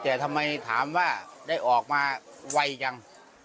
แต่ทำไมถามว่าได้ออกมาไวจัง